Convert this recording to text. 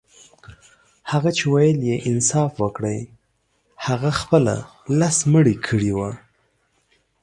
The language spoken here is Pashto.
هغه چي ويل يې انصاف وکړئ هغه خپله لس مړي کړي وه.